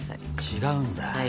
違うんだ？